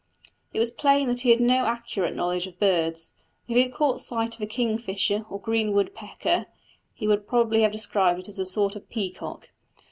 It was plain that he had no accurate knowledge of birds; if he had caught sight of a kingfisher or green woodpecker, he would probably have described it as a sort of peacock.